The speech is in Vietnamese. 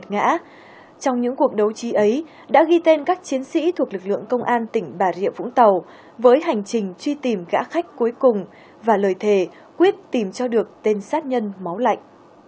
ngã trong những cuộc đấu trí ấy đã ghi tên các chiến sĩ thuộc lực lượng công an tỉnh bà rịa vũng tàu với hành trình truy tìm gã khách cuối cùng và lời thề quyết tìm cho được tên sát nhân máu lạnh